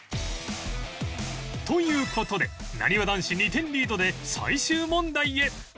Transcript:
という事でなにわ男子２点リードで最終問題へ